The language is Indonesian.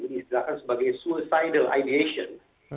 diizahkan sebagai suicidal ideation